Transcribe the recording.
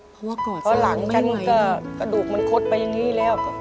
เพราะว่ากอดสร้างไม่ไหวหลังฉันก็กระดูกมันคดไปอย่างนี้แล้ว